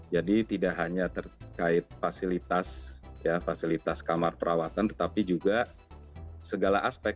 jadi tidak hanya terkait fasilitas kamar perawatan tetapi juga segala aspek